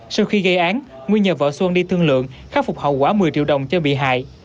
sau khi gây án nguyên nhờ vợ xuân đi thương lượng khắc phục hậu quả một mươi triệu đồng cho bị hại